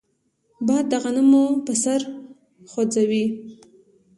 باد د غنمو پسر خوځوي